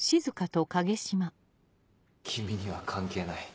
君には関係ない。